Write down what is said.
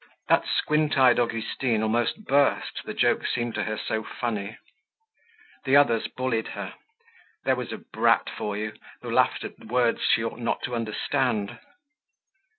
That squint eyed Augustine almost burst, the joke seemed to her so funny. The others bullied her. There was a brat for you who laughed at words she ought not to understand!